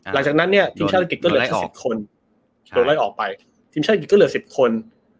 หลังจากนั้นถีมชาติอังกฤษก็เหลือ๑๐คน